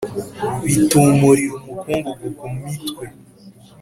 Bītumurira umukungugu ku mitwe,